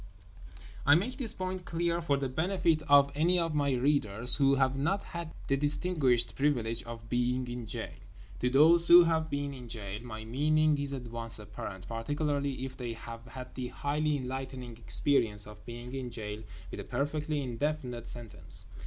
I make this point clear for the benefit of any of my readers who have not had the distinguished privilege of being in jail. To those who have been in jail my meaning is at once apparent; particularly if they have had the highly enlightening experience of being in jail with a perfectly indefinite sentence.